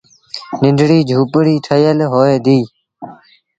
ننڍڙيٚ جھوپڙيٚ ٺهيٚل هوئي ديٚ۔